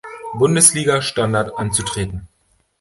Bundesliga Standard anzutreten.